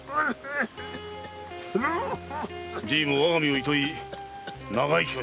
じいもわが身をいとい長生きをしてくれよ。